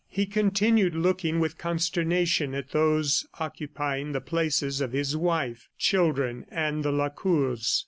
He continued looking with consternation at those occupying the places of his wife, children and the Lacours. .